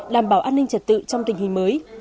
đảm bảo an ninh trật tự trong tình hình mới